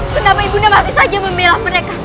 kenapa ibu nda masih saja memilah mereka